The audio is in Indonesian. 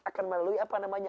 akan melalui apa namanya